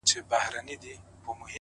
• ځاى جوړاوه ـ